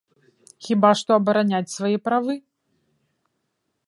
Хіба што абараняць свае правы.